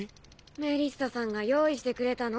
メリッサさんが用意してくれたの。